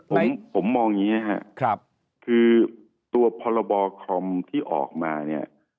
ผมมองอย่างงี้ครับคือคือตัวพคอมผิดที่ออกมาเนี่ย